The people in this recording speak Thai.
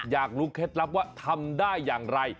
อยากรู้เคล็ดลับว่าทำได้อย่างไร